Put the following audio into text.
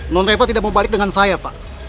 nonreva tidak mau balik dengan saya pak